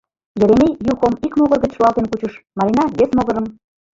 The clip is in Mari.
Еремей Юхом ик могыр гыч руалтен кучыш, Марина — вес могырым.